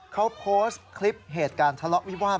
เขาโพสต์คลิปเหตุการณ์ทะเลาะวิวาส